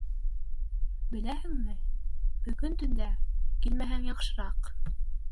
Беләһеңме... бөгөн төндә... килмәһәң яҡшыраҡ.